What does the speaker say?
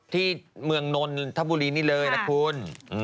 ที่เมืองนนทบุรีนี่เลยล่ะคุณ